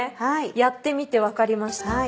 やってみて分かりました。